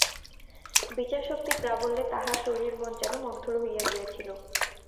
বিচারশক্তির প্রাবল্যে তাহার শরীর মন যেন মন্থর হইয়া গিয়াছিল।